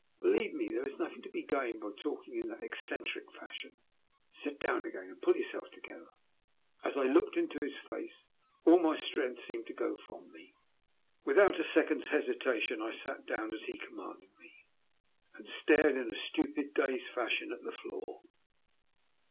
Believe me, there is nothing to be gained by talking in that eccentric fashion. Sit down again and pull yourself together." As I looked into his face all my strength seemed to go from me. Without a second's hesitation I sat down as he commanded me, and stared in a stupid, dazed fashion at the floor.